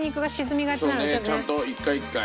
ちゃんと１回１回。